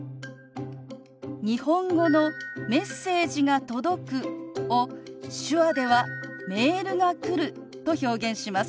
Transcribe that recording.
日本語の「メッセージが届く」を手話では「メールが来る」と表現します。